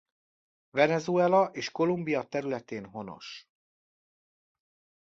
Venezuela és Kolumbia területén honos.